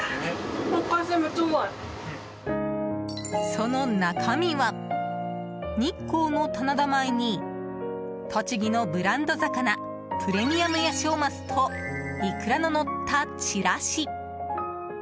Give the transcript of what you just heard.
その中身は、日光の棚田米に栃木のブランド魚プレミアムヤシオマスとイクラののったちらし。